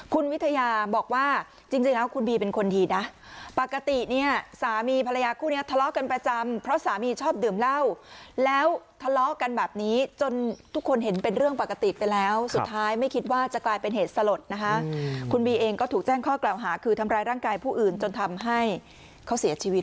คุณวิทยาบอกว่าจริงแล้วคุณบีเป็นคนดีนะปกติเนี่ยสามีภรรยาคู่นี้ทะเลาะกันประจำเพราะสามีชอบดื่มเหล้าแล้วทะเลาะกันแบบนี้จนทุกคนเห็นเป็นเรื่องปกติไปแล้วสุดท้ายไม่คิดว่าจะกลายเป็นเหตุสลดนะคะคุณบีเองก็ถูกแจ้งข้อกล่าวหาคือทำร้ายร่างกายผู้อื่นจนทำให้เขาเสียชีวิต